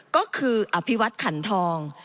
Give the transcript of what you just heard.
ก็คืออภิวัตขันทอง